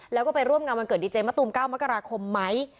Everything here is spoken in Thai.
แล้วก็ไปร่วมงานวันเกิดดีเจมะตูม๙มกราคมไหม